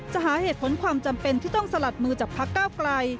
จะหาเหตุผลความจำเป็นที่ต้องสลัดมือจากพักก้าวไกล